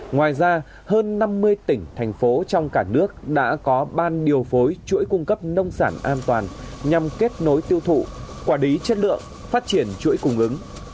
ngoài ra hơn năm mươi tỉnh thành phố trong cả nước đã có ban điều phối chuỗi cung cấp nông sản an toàn nhằm kết nối tiêu thụ quản lý chất lượng phát triển chuỗi cung ứng